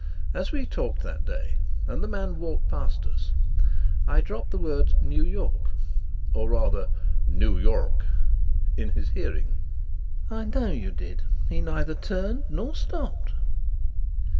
As we talked that day and the man walked past us, I dropped the words 'New York' or, rather, 'Noo Y'rk' in his hearing." "I know you did. He neither turned nor stopped."